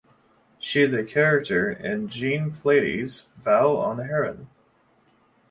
She is a character in Jean Plaidy's "Vow on the Heron".